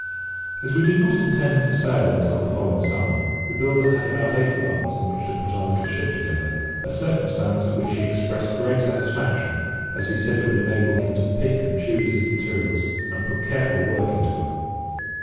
As we did not intend to sail until the following summer, the builder had about eight months in which to put our little ship together, a circumstance at which he expressed great satisfaction, as he said it would enable him to pick and choose his materials, and put careful work into her.